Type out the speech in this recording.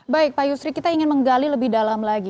baik pak yusri kita ingin menggali lebih dalam lagi